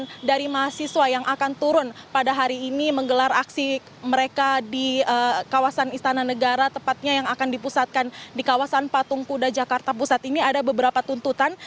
dan dari mahasiswa yang akan turun pada hari ini menggelar aksi mereka di kawasan istana negara tepatnya yang akan dipusatkan di kawasan patung kuda jakarta pusat ini ada beberapa tuntutan